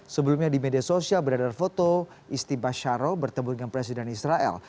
sebelumnya di media sosial beredar foto isti basyaro bertemu dengan presiden israel